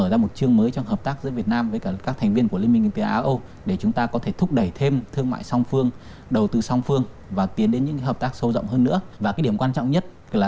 đối với thị trường nga